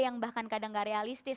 yang bahkan kadang nggak realistis